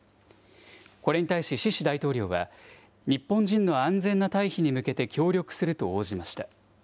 これに対しシシ大統領は、日本人の安全な退避に向けて協力すると応じました。